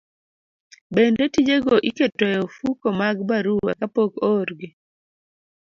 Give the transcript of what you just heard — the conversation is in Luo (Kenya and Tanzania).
Bende tijego iketo e ofuko mag barua kapok oorgi.